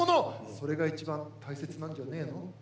「それがいちばん大切なんじゃねえの」